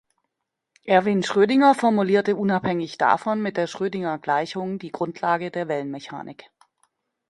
Erwin Schrödinger formulierte unabhängig davon mit der Schrödingergleichung die Grundlage der Wellenmechanik.